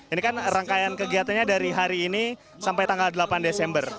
ini kan rangkaian kegiatannya dari hari ini sampai tanggal delapan desember